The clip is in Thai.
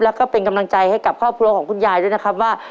แล้วก็เป็นกำลังใจให้กับครอบครัวของคุณยายด้วยนะครับว่า